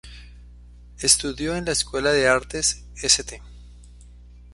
Estudió en la Escuela de Artes St.